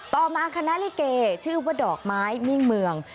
ต่อมาคณะลิเกชื่อว่าดอกไม้มิ่งเมือง